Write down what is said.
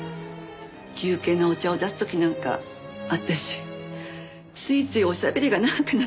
休憩のお茶を出す時なんか私ついついおしゃべりが長くなってしまって。